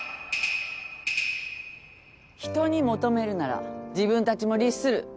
人に求めるなら自分たちも律する。